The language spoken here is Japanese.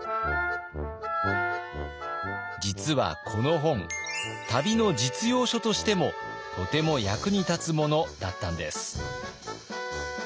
実はこの本旅の実用書としてもとても役に立つものだったんです。